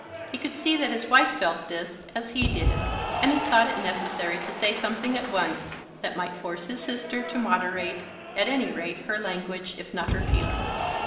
He could see that his wife felt this as he did, and he thought it necessary to say something at once, that might force his sister to moderate at any rate her language, if not her feelings.